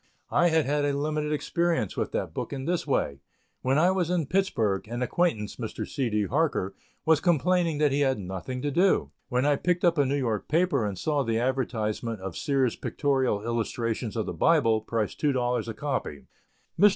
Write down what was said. I had had a limited experience with that book in this way: When I was in Pittsburg, an acquaintance, Mr. C. D. Harker, was complaining that he had nothing to do, when I picked up a New York paper and saw the advertisement of "Sears's Pictorial Illustrations of the Bible, price $2 a copy." Mr.